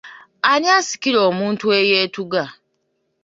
Ani asikira omuntu eyeetuga?